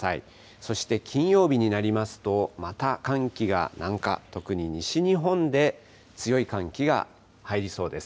そして金曜日になりますと、また寒気が南下、特に西日本で強い寒気が入りそうです。